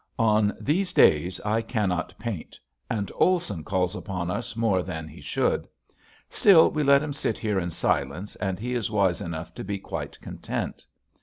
On these days I cannot paint, and Olson calls upon us more than he should. Still, we let him sit here in silence and he is wise enough to be quite content.